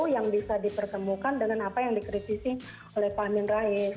yang bisa dipertemukan dengan apa yang dikritisi oleh pak amin rais